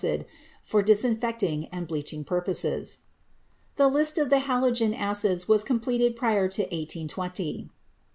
cid, for disinfecting and bleaching purposes. The list of the halogen acids was completed prior to 266 CHEMISTRY 1820.